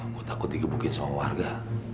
mau takut digebukin sama warga